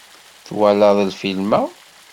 Twalaḍ lfilm-a?